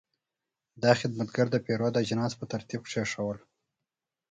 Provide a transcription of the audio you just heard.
دا خدمتګر د پیرود اجناس په ترتیب کېښودل.